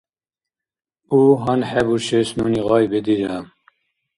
У гьанхӀебушес нуни гъай бедира.